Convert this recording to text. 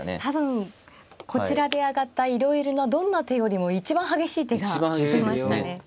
多分こちらで挙がったいろいろなどんな手よりも一番激しい手が来ましたね。